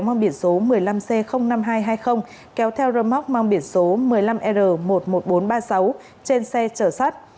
mang biển số một mươi năm c năm nghìn hai trăm hai mươi kéo theo rơ móc mang biển số một mươi năm r một mươi một nghìn bốn trăm ba mươi sáu trên xe chở sắt